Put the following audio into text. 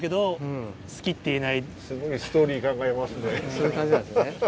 そういう感じなんですね。